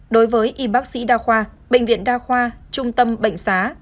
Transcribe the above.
đối với y bác sĩ đa khoa bệnh viện đa khoa trung tâm bệnh xá